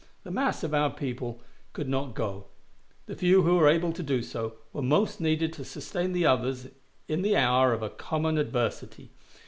The mass of our people could not go; the few who were able to do so were most needed to sustain the others in the hour of a common adversity.